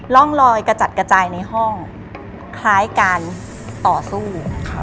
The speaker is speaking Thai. ร่องลอยกระจัดกระจายในห้องคล้ายการต่อสู้